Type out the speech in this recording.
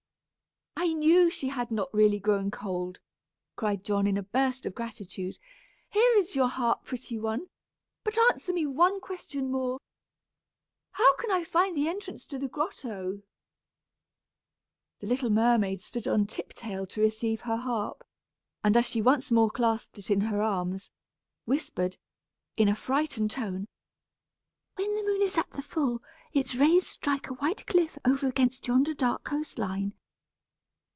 "I knew she had not really grown cold," cried John, in a burst of gratitude. "Here is your harp, pretty one, but answer me one question more. How can I find the entrance to the grotto?" The little mermaid stood on tip tail to receive her harp, and, as she once more clasped it in her arms, whispered, in a frightened tone: "When the moon is at the full, its rays strike a white cliff over against yonder dark coast line.